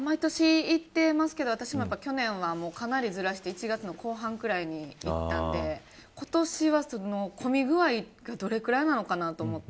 毎年行ってますけど去年は、かなりずらして１月の後半くらいに行ったので今年は混み具合がどれくらいなのかなと思って。